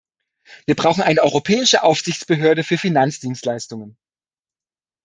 Wir brauchen eine europäische Aufsichtsbehörde für Finanzdienstleistungen.